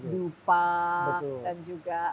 dupa dan juga